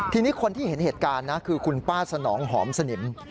ทีนี้คนที่เห็นเหตุการณ์นะคือคุณป้าสนองหอมสนิม